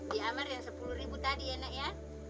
diamar yang rp sepuluh tadi enak ya